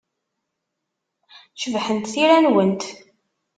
Cebḥent tira-nwent.